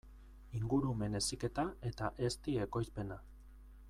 Ingurumen heziketa eta ezti ekoizpena.